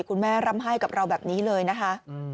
ร่ำให้กับเราแบบนี้เลยนะคะ